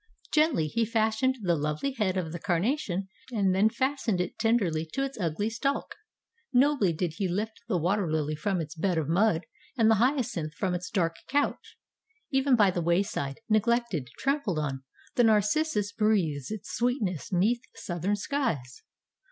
Gently He fashioned the lovely head of the carnation and then fastened it ten derly to its ugly stalk. Nobly did He lift the water lily from its bed of mud and the hyacinth from its dark couch. Even by the wayside, neglected, trampled on, the narcissus breathes its sweetness 'neath southern skies.